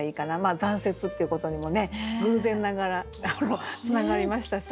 残雪っていうことにもね偶然ながらつながりましたし。